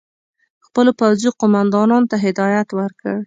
خپلو پوځي قوماندانانو ته هدایت ورکړ.